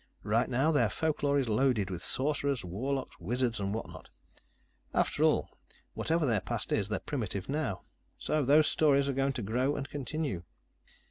"Right now, their folklore is loaded with sorcerers, warlocks, wizards, and what not. After all, whatever their past is, they're primitive now. So those stories are going to grow and continue.